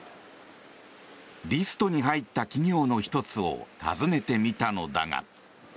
リストに入った企業の１つを訪ねてみたのだが。